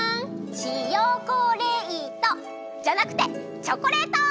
チヨコレイト！じゃなくてチョコレート！